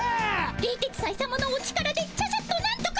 冷徹斎さまのお力でちゃちゃっとなんとか。